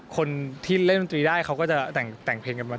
คนที่เล่นดนตรีได้เขาก็จะแต่งเพลงกันมา